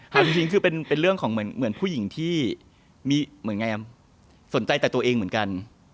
มันเป็นเรื่องเหมือนผู้หญิงที่สนใจแต่ตัวเองเหมือนกัน